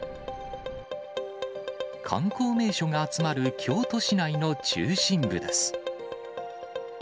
観光名所が集まる京都市内の中心部です。